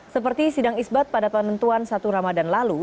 seperti sidang isbat pada penentuan satu ramadan lalu